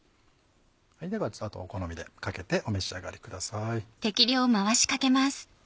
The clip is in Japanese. ではあとはお好みでかけてお召し上がりください。